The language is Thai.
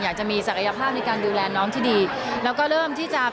อยากจะมีศักยภาพในการดูแลน้องที่ดี